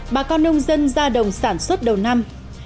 bà con nông dân ra đồng sản xuất đầu năm